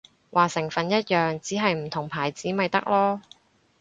話成分一樣，只係唔同牌子咪得囉